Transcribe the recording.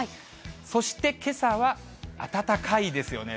そしてけさは、暖かいですよね。